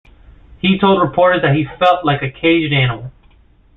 He told reporters that he felt like a caged animal.